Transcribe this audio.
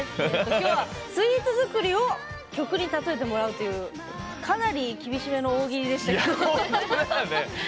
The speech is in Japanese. きょうはスイーツ作りを曲にたとえてもらうというかなり厳しめの大喜利でしたけど。